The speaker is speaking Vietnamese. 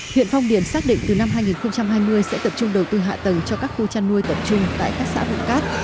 huyện phong điền xác định từ năm hai nghìn hai mươi sẽ tập trung đầu tư hạ tầng cho các khu chăn nuôi tập trung tại các xã vùng cát